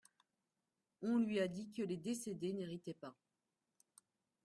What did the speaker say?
On lui a dit que les décédés n’héritaient pas.